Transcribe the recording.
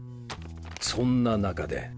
そんな中で。